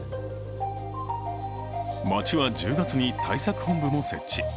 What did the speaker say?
町は１０月に対策本部も設置。